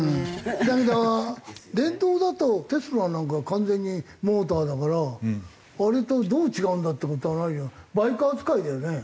だけど電動だとテスラなんか完全にモーターだからあれとどう違うんだって事になりゃバイク扱いだよね